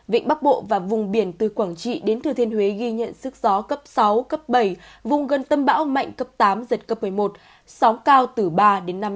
vịnh bắc bộ và vùng biển từ quảng trị đến thừa thiên huế ghi nhận sức gió cấp sáu cấp bảy vùng gần tâm bão mạnh cấp tám giật cấp một mươi một sóng cao từ ba đến năm m